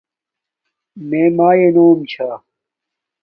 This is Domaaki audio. مݺ مݳئݺ نݸم ـــــ چھݳ.